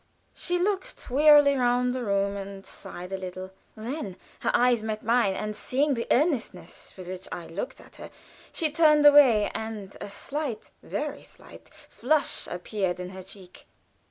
She looked wearily round the room, and sighed a little. Then her eyes met mine; and seeing the earnestness with which I looked at her, she turned away, and a slight, very slight, flush appeared in her cheek.